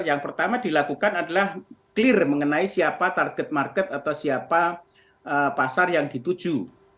yang pertama dilakukan adalah clear mengenai siapa target market atau siapa pasar yang dituju